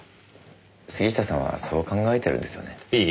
杉下さんはそう考えてるんですよね？